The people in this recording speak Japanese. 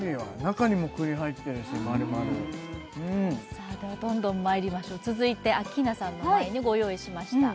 中にも栗入ってるし丸々さあではどんどんまいりましょう続いてアッキーナさんの前にご用意しました